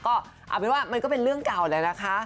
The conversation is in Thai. ก็เอาเป็นว่ามันก็เป็นเรื่องเก่าแหละนะคะ